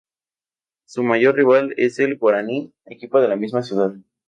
Su mayor rival es el Guaraní, equipo de la misma ciudad.